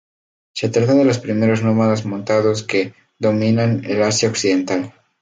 Se trata de los primeros nómadas montados que dominan el Asia Occidental.